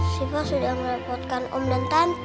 sifat sudah merepotkan om dan tante